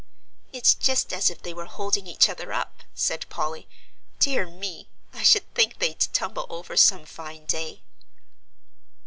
"It's just as if they were holding each other up," said Polly. "Dear me, I should think they'd tumble over some fine day.